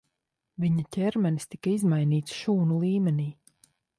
Viņa ķermenis tika izmainīts šūnu līmenī.